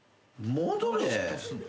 戻れ。